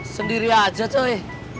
sendiri aja coy